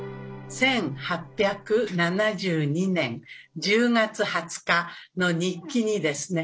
１８７２年１０月２０日の日記にですね